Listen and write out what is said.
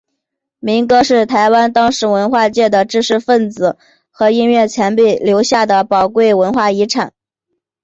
民歌是台湾当时文化界的知识份子和音乐前辈留下的宝贵的文化遗产。